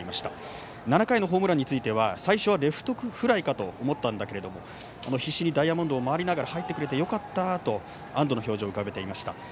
７回のホームランについては最初はレフトフライかと思ったんだけれども必死にダイヤモンドを回りながら入ってくれてよかったと安どの表情でした。